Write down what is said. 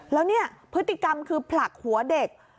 แล้วเนี่ยพฤติกรรมคือผลักหัวเด็ก